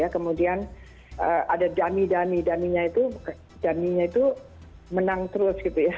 kemudian ada dummy dummy dummy nya itu menang terus